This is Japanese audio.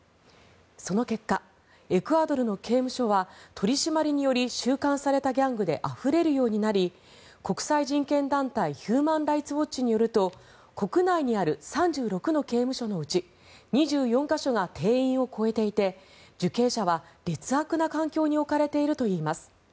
その結果、エクアドルの刑務所は取り締まりにより収監されたギャングであふれるようになり国際人権団体ヒューマン・ライツ・ウォッチによると国内にある３６の刑務所のうち２４か所が定員を超えていて受刑者は劣悪な環境に置かれているといいます。